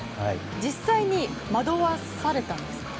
実際に惑わされたんですか？